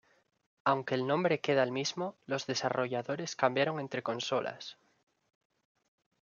Aunque el nombre queda el mismo, los desarrolladores cambiaron entre consolas.